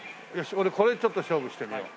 俺これでちょっと勝負してみよう。